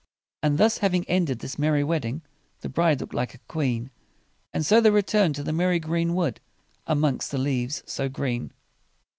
"And thus having ended this merry wedding, The bride looked like a queen: And so they re turned to the merry green wood, Amongst the leaves so green."